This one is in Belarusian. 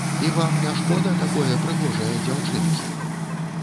І вам не шкода такое прыгожае дзяўчынкі?